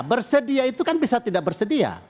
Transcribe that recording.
bersedia itu kan bisa tidak bersedia